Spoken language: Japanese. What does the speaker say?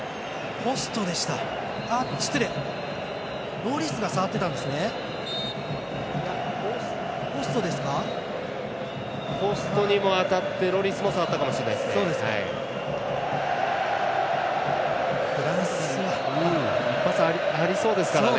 ポストにも当たってロリスも触ったかもしれませんね。